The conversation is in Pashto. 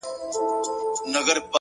هر انسان د بدلون وړتیا لري؛